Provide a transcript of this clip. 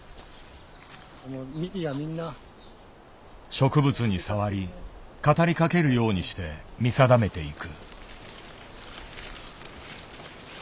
植物に触り語りかけるようにして見定めていく。